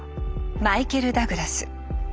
マイケル・ダグラス。